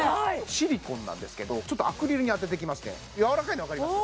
シリコンなんですけどアクリルに当てていきますねやわらかいのわかります？